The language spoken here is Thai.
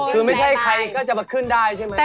คือไม่ใช่ใครก็จะมาขึ้นได้ใช่ไหม